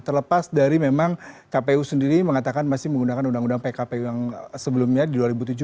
terlepas dari memang kpu sendiri mengatakan masih menggunakan undang undang pkpu yang sebelumnya di dua ribu tujuh belas